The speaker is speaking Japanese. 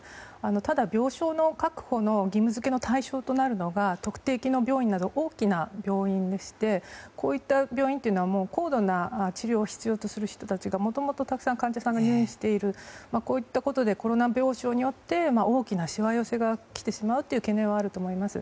ただ、病床確保の義務付けの対象となるのが特定機能病院など大きな病院でしてこういった病院というのは高度な治療を必要とする患者さんがもともとたくさん入院しているといったことでコロナ病床によって大きなしわ寄せがきてしまうという懸念はあると思います。